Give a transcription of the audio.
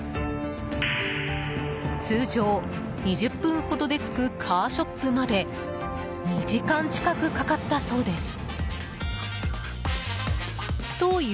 通常、２０分ほどで着くカーショップまで２時間近くかかったそうです。